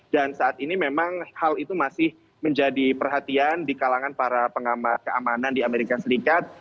dan saat ini memang hal itu masih menjadi perhatian di kalangan para pengamanan di amerika serikat